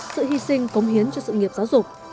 sự hy sinh công hiến cho sự nghiệp giáo dục